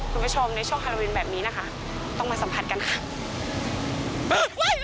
คุณผู้ชมในช่วงฮาโลวินแบบนี้นะคะต้องมาสัมผัสกันค่ะ